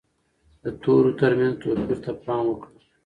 د تورو ترمنځ توپیر ته پام وکړه.